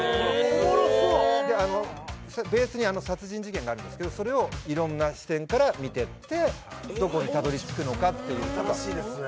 おもろそうベースに殺人事件があるんですけどそれを色んな視点から見てってどこにたどり着くのかっていう新しいですね